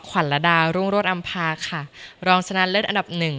ขวัญระดารุ่งรวดอำภาค่ะรองชนะเลิศอันดับหนึ่ง